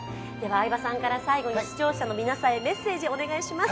相葉さんから視聴者の皆さんにメッセージをお願いします。